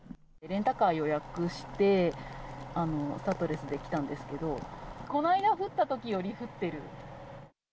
レンタカー予約して、スタッドレスで来たんですけど、この間降ったときより降ってる。